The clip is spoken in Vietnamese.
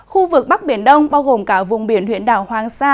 khu vực bắc biển đông bao gồm cả vùng biển huyện đảo hoàng sa